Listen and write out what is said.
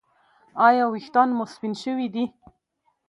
ایا ویښتان مو سپین شوي دي؟